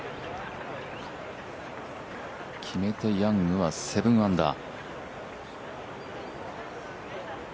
決めてヤングは７アンダー。